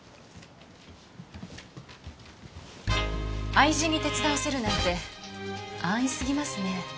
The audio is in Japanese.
愛人に手伝わせるなんて安易すぎますね。